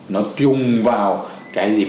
nó trùng vào cái gì